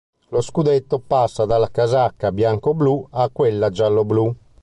Lo scudetto passa dalla casacca biancoblu a quella gialloblu.